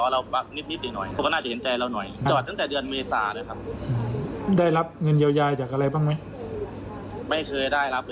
ร่วมเสร็จก็อิกวิ่งไปรับบริษัทครับ